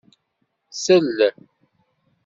Sel.